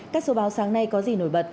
các số báo sáng nay có gì nổi bật